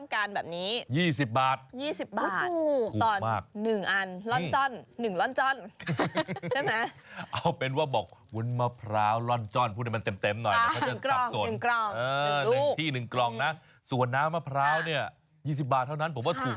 คือ๑วุ้นต้อน๒๐บาท